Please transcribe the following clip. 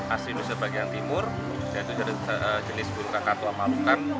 asli indonesia bagian timur yaitu jenis burung kakak tua malukan